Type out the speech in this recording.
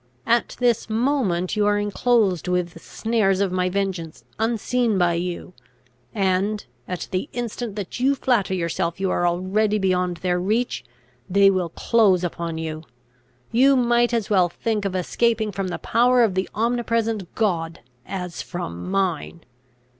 At this moment you are enclosed with the snares of my vengeance unseen by you, and, at the instant that you flatter yourself you are already beyond their reach, they will close upon you. You might as well think of escaping from the power of the omnipresent God, as from mine!